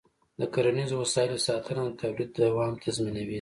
د کرنيزو وسایلو ساتنه د تولید دوام تضمینوي.